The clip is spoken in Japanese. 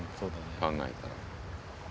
考えたら。